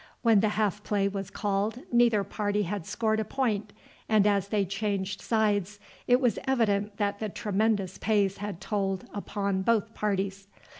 When the half play was called neither party had scored a point, and as they changed sides it was evident that the tremendous pace had told upon both parties.